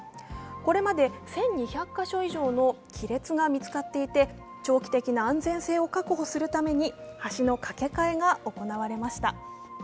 これまで１２００か所以上の亀裂が見つかっていて長期的な安全性を確保するために橋の架け替えが行われました。